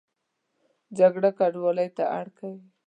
جګړه کډوالۍ ته اړ کوي